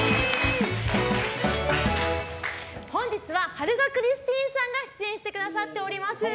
本日は春香クリスティーンさんが出演してくださっております。